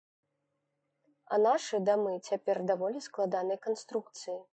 А нашы дамы цяпер даволі складанай канструкцыі.